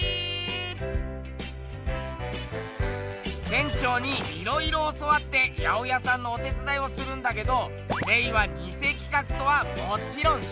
店長にいろいろ教わって八百屋さんのお手つだいをするんだけどレイはニセ企画とはもちろん知んねえ。